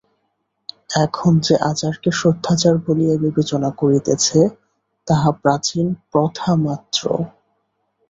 এখন যে-আচারকে শুদ্ধাচার বলিয়া বিবেচনা করিতেছে, তাহা প্রাচীন প্রথামাত্র।